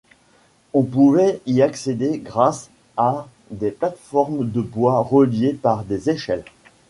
On pouvait y accéder grâce à des plates-formes de bois reliées par des échelles.